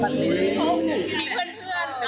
มี